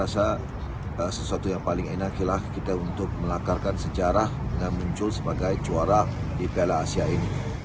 suatu yang paling enak kita untuk melakarkan sejarah dengan muncul sebagai juara di piala asia ini